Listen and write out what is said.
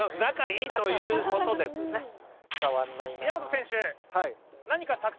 「仲いい」ということですね